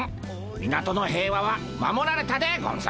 港の平和は守られたでゴンス。